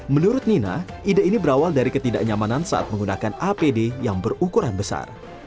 menurut nina ide ini berawal dari ketidaknyamanan saat menggunakan apd yang berukuran besar